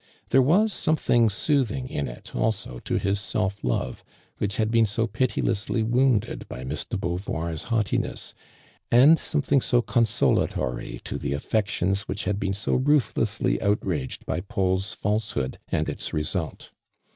There was something aooth>ng in it alac to his self love, which had been so piti lessly woimded by Miss de Be^iuvoir'a haughtiness, and something so consolatory to the affections which had been so ruth lessly outraged by Paul's falsehood and its result.